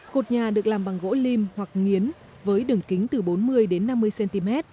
cột nhà được làm bằng gỗ lim hoặc nghiến với đường kính từ bốn mươi đến năm mươi cm